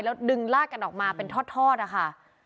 แล้วดึงลากกันออกมาเป็นทอดนะคะ